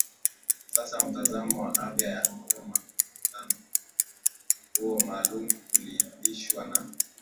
sasa mtazamo wa afya ya ummaMkutano huo maalum uliitishwa na